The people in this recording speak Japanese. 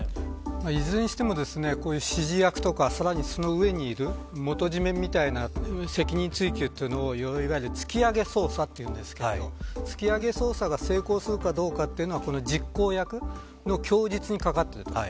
いずれにしてもこういう指示役とかさらにその上にいる元締めみたいな責任追及というのをいわゆるつきあげ捜査というんですけどつきあげ捜査が成功するかというのが実行役の供述にかかっています。